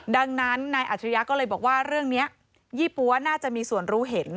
ดังนั้นนายอัจฉริยะก็เลยบอกว่าเรื่องนี้ยี่ปั๊วน่าจะมีส่วนรู้เห็น